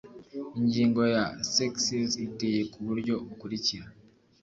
Ingingo ya sexies iteye ku buryo bukurikira